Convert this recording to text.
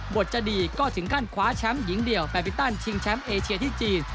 บทจะดีก็ถึงขั้นคว้าแชมป์หญิงเดี่ยวแฟมิตันชิงแชมป์เอเชียที่จีน